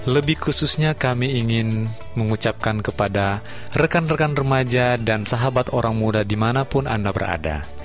lebih khususnya kami ingin mengucapkan kepada rekan rekan remaja dan sahabat orang muda dimanapun anda berada